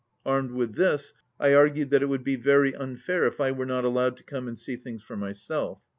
1 Armed with this I argued that it would be very unfair if I were not allowed to come and see things for myself.